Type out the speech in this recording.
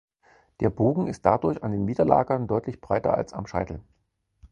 Der Bogen ist dadurch an den Widerlagern deutlich breiter als am Scheitel.